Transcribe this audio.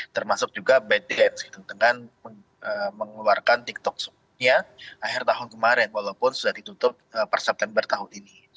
termasuk juga bytedance gitu kan mengeluarkan tiktok nya akhir tahun kemarin walaupun sudah ditutup per september tahun ini